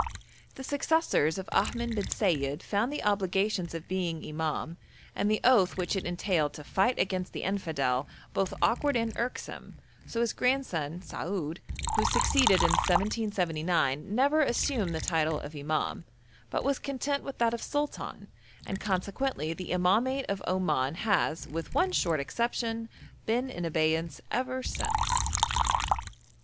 The successors of Ahmed bin Sayid found the obligations of being imam, and the oath which it entailed to fight against the infidel, both awkward and irksome, so his grandson, Saoud, who succeeded in 1779, never assumed the title of imam, but was content with that of sultan, and consequently the imamate of Oman has, with one short exception, been in abeyance ever since.